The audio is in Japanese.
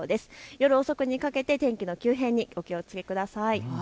夜遅くにかけて天気の急変にお気をつけください。